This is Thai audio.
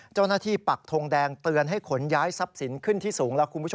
เจ้าหน้าที่ปักธงแดงเตือนให้ขนย้ายทรัพย์สินขึ้นที่สูง